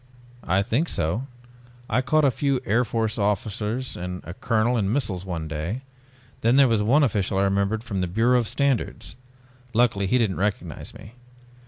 "I think so, I caught a few Air Force officers and a colonel in missiles one day. Then there was one official I remembered from the Bureau of Standards. Luckily he didn't recognize me.